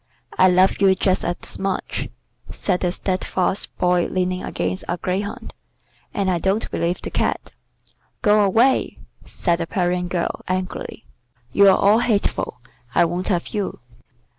"I love you just as much," said the steadfast Boy leaning against a greyhound, "and I don't believe the Cat." "Go away," said the Parian girl, angrily. "You're all hateful. I won't have you."